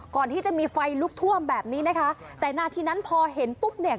ก่อนที่จะมีไฟลุกท่วมแบบนี้นะคะแต่นาทีนั้นพอเห็นปุ๊บเนี่ย